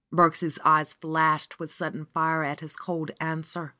Birksie's eyes flashed with sudden fire at his cold an swer.